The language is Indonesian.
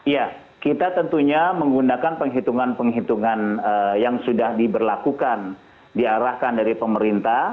ya kita tentunya menggunakan penghitungan penghitungan yang sudah diberlakukan diarahkan dari pemerintah